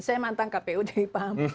saya mantan kpu jadi paham